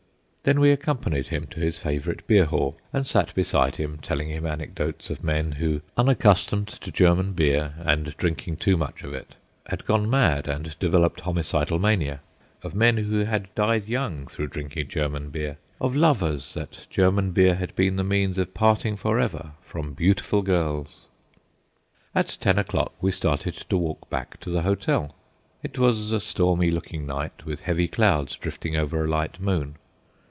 Then we accompanied him to his favourite beer hall, and sat beside him, telling him anecdotes of men who, unaccustomed to German beer, and drinking too much of it, had gone mad and developed homicidal mania; of men who had died young through drinking German beer; of lovers that German beer had been the means of parting for ever from beautiful girls. At ten o'clock we started to walk back to the hotel. It was a stormy looking night, with heavy clouds drifting over a light moon.